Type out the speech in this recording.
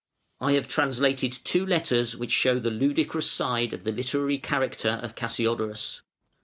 I have translated two letters which show the ludicrous side of the literary character of Cassiodorus.